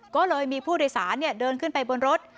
ก็เลยมีผู้โดยสารเดินขึ้นไปบนรถ